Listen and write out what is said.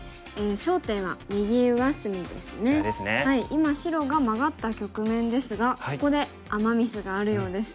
今白がマガった局面ですがここでアマ・ミスがあるようです。